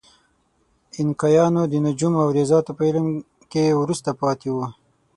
اینکایانو د نجوم او ریاضیاتو په علم کې وروسته پاتې وو.